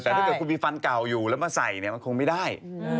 แต่ถ้าเกิดคุณมีฟันเก่าอยู่แล้วมาใส่เนี่ยมันคงไม่ได้